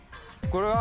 これは。